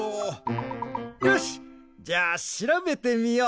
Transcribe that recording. よしじゃあしらべてみよう。